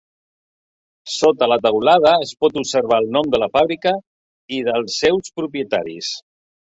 Sota la teulada es pot observar el nom de la fàbrica i dels seus propietaris.